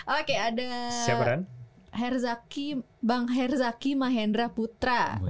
oke ada bang herzaki mahendra putra